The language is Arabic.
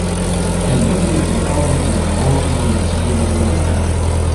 كَالْبَذْرِ فِي الْأَرْضِ إذَا رُوعِيَ يَسِيرُهُ زَكَا